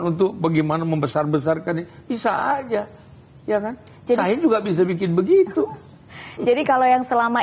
untuk bagaimana membesar besarkan bisa aja ya kan saya juga bisa bikin begitu jadi kalau yang selama